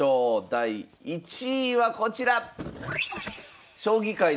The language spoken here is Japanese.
第１位はこちら！